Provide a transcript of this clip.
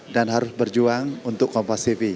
dan harus berjuang untuk kompastv